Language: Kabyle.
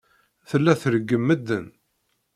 Tella treggem medden.